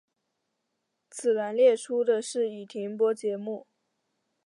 此栏列出的是已停播节目。